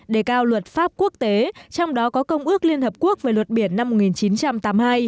đề cao luật pháp quốc tế trong đó có công ước liên hợp quốc về luật biển năm một nghìn chín trăm tám mươi hai